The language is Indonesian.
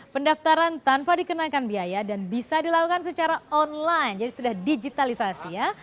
pendaftaran tanpa dikenakan biaya dan bisa dilakukan secara online jadi sudah digitalisasi ya